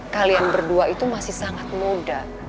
kalian berdua itu masih sangat muda